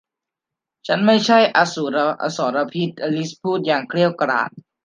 ฉันไม่ใช่อสรพิษ อลิซพูดอย่างเกรี้ยวกราด